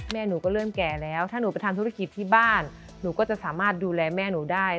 หนูก็เริ่มแก่แล้วถ้าหนูไปทำธุรกิจที่บ้านหนูก็จะสามารถดูแลแม่หนูได้